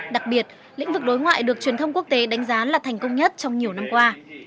đặc biệt lĩnh vực đối ngoại được truyền thông quốc tế đánh giá là thành công nhất trong nhiều năm qua